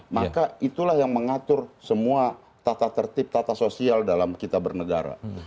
maka itulah yang mengatur semua tata tertib tata sosial dalam kita bernegara